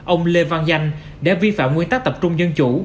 ông lê văn danh đã vi phạm nguyên tắc tập trung dân chủ